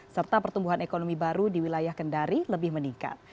serta pertumbuhan ekonomi baru di wilayah kendari lebih meningkat